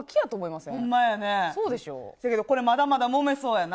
せやけど、これ、まだまだもめそうやな。